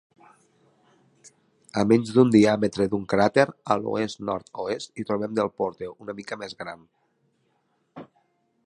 A menys d"un diàmetre d"un crater a l"oest-nord-oest hi trobem Delporte, una mica més gran.